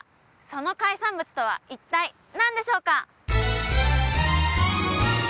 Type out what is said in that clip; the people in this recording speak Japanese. その海産物とは一体何でしょうか？